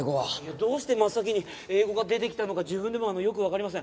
どうして真っ先に英語が出てきたのか自分でもよくわかりません。